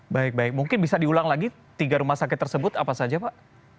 baik baik mungkin bisa diulang lagi tiga rumah sakit tersebut apa saja pak